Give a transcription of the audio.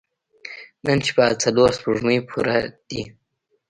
نن شپه څلور سپوږمۍ پوره دي.